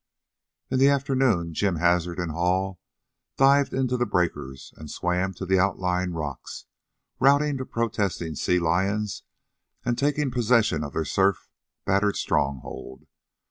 In the afternoon Jim Hazard and Hall dived into the breakers and swam to the outlying rocks, routing the protesting sea lions and taking possession of their surf battered stronghold.